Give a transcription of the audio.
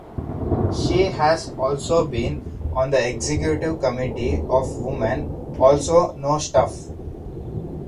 She has also been on the executive committee of Women Also Know Stuff.